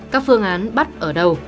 các phương án bắt ở đâu